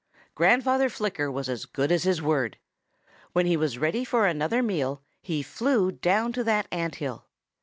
"Grandfather Flicker was as good as his word. When he was ready for another meal, he flew down to that ant hill.